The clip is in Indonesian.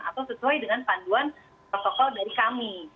atau sesuai dengan panduan protokol dari kami